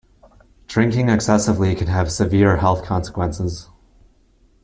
Drinking excessively can have severe health consequences.